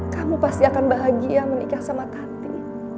kamu pasti akan bahagia menikah sama tante